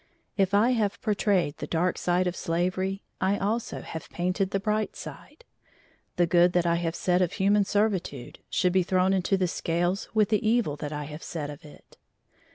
If I have portrayed the dark side of slavery, I also have painted the bright side. The good that I have said of human servitude should be thrown into the scales with the evil that I have said of it.